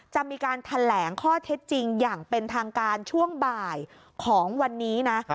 จะมีการแถลงข้อเท็จจริงอย่างเป็นทางการช่วงบ่ายของวันนี้นะ